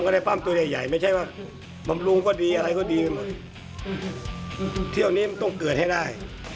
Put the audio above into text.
ก็ได้ปั้มตัวใหญ่ไม่ใช่ว่าไมจุดไม่แสด่็วยทีตอนนี้มันต้องเกิดให้ได้